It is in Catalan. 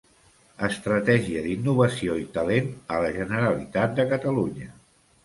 Estratègia d'innovació i talent a la Generalitat de Catalunya.